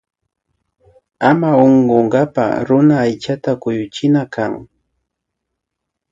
Ama unkunkak runa aychata kuyuchina kan